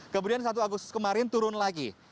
kemudian satu agustus kemarin turun lagi